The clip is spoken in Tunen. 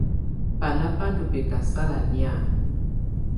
Banà bá ndù bɛ̀kasala nɛ̀á.